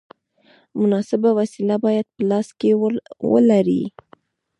مناسبه وسیله باید په لاس کې ولرې.